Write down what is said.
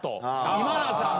今田さんは。